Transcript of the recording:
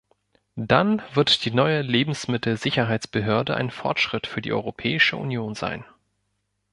Dann wird die neue Lebensmittelsicherheitsbehörde ein Fortschritt für die Europäische Union sein.